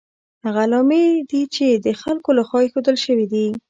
هغه علامې دي چې د خلکو له خوا ایښودل شوي دي.